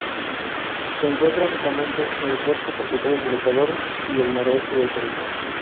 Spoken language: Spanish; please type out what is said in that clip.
Se encuentra únicamente en los bosques tropicales del Ecuador y el noroeste de Perú.